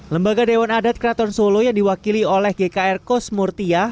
lembaga dewan adat keraton solo yang diwakili oleh gkr kosmurtia